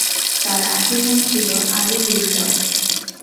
তার আসল নাম ছিল আলি গুরশপ।